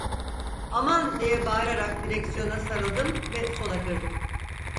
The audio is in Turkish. Aman! diye bağırarak direksiyona sarıldım ve sola kırdım…